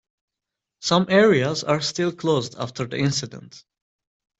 Some areas are still closed after the incident.